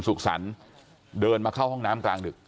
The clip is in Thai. แต่ว่าวินนิสัยดุเสียงดังอะไรเป็นเรื่องปกติอยู่แล้วครับ